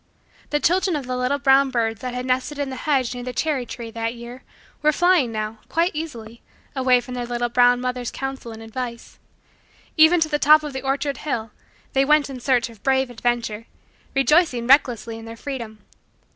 The children of the little brown birds that had nested in the hedge near the cherry tree, that year, were flying now, quite easily, away from their little brown mother's counsel and advice. Even to the top of the orchard hill, they went in search of brave adventure, rejoicing recklessly in their freedom.